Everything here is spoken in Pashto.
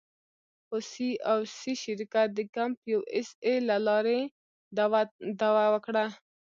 خو سي او سي شرکت د کمپ یو اس اې له لارې دعوه وکړه.